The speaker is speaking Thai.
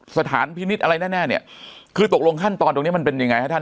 สถานพินิษฐ์อะไรแน่แน่เนี่ยคือตกลงขั้นตอนตรงเนี้ยมันเป็นยังไงฮะท่าน